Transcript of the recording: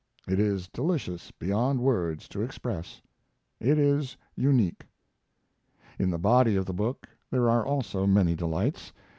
It is delicious beyond words to express; it is unique. In the body of the book there are also many delights.